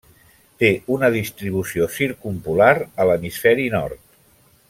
Té una distribució circumpolar a l'hemisferi nord.